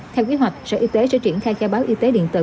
theo kế hoạch sở y tế sẽ triển khai khai báo y tế điện tử